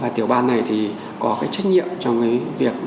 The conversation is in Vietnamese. và tiểu ban này thì có quý vị trách nhiệm trong việc